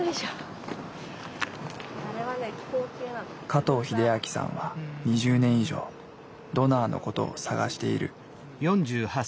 加藤英明さんは２０年以上ドナーのことを探している。